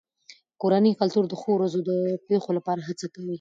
د کورنۍ کلتور د ښو ورځو د پیښو لپاره هڅه کوي.